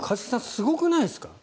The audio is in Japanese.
すごくないですか？